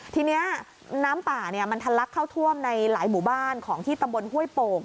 ทีนี้น้ำป่ามันทะลักเข้าท่วมในหลายหมู่บ้านของที่ตำบลห้วยโป่ง